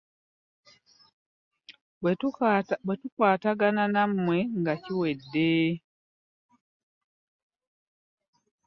Bwe tukwatagana nammwe nga kiwedde.